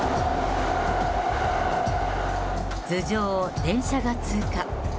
頭上を電車が通過。